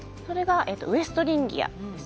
ウエストリンギアです。